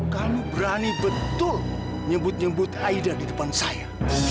kami berani betul nyebut nyebut aida di depan saya